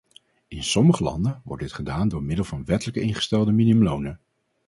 In sommige landen wordt dit gedaan door middel van wettelijk ingestelde minimumlonen.